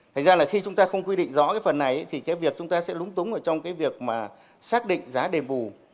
thành ra là khi chúng ta không quy định rõ cái phần này thì cái việc chúng ta sẽ lúng túng ở trong cái việc mà xác định giá đền bù